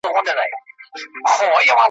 او مرغانو ته ایږدي د مرګ دامونه ,